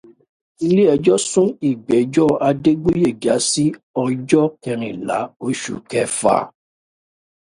Ilé ẹjọ́ sún ìgbẹ́jọ́ Adégbóyègà sí ọjọ́ kẹrìnlá, oṣù Kẹfà.